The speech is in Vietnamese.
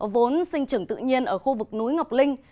vốn sinh trưởng tự nhiên ở khu vực núi ngọc linh